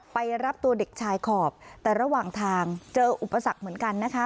ไปรับตัวเด็กชายขอบแต่ระหว่างทางเจออุปสรรคเหมือนกันนะคะ